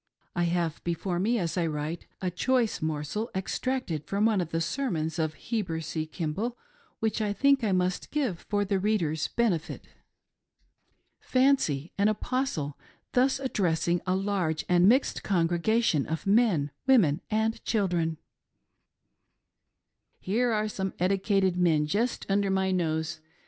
I have before me as I write a choice morsel extracted from one of the sermons of Heber C. Kimball, which I think I must give for the reader's benefit. 24 388 AN apostle's VIEWS OF "EDICATED MEN !" Fancy an '^Apostle!" thus addressing a large and mixed congregation of men, women, and children :" Here are some edicated men jest under my nose.